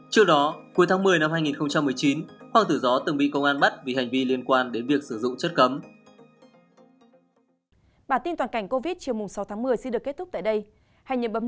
trước đó cuối tháng một mươi năm hai nghìn một mươi chín hoàng tử gió từng bị công an bắt vì hành vi liên quan đến việc sử dụng chất cấm